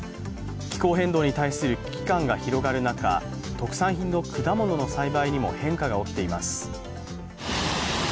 気候変動に対する危機感が広がる中特産品の果物の栽培にも変化が起きています。